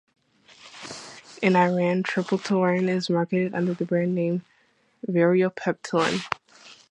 In Iran Triptorelin is marketed under the brand name Variopeptyl.